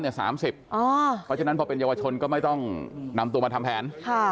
เพราะฉะนั้นพอเป็นเยาวชนก็ไม่ต้องนำตัวมาทำแผน